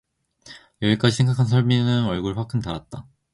여기까지 생각한 선비는 얼굴이 화끈 달았다.